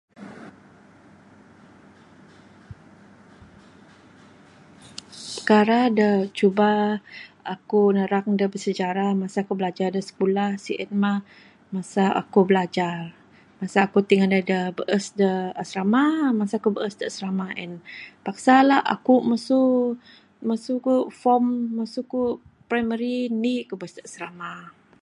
Pekara da cuba aku narang da bersejarah masa ku bilajar da sikulah sien mah masa aku bilajar. Masa aku ti ngandai bees da asrama masa aku bees da asrama en. Paksa la aku mesu ku form, mesu ku primary indi ku bees da asrama.